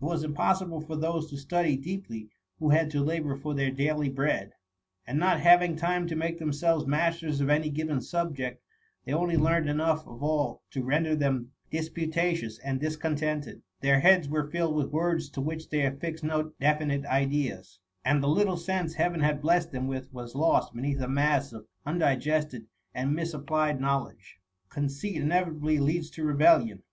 It was impossible for those to study deeply who had to labour for their daily bread ; and not having time to make themselves masters of any given subject, they only learned enough of all to render them disputatious and discontented. Their heads were filled with words to which they affixed no definite ideas, and the little sense Heaven had blessed them with was lost beneath a mass of undigested and misapplied knowledge. Conceit inevitably leads to rebellion.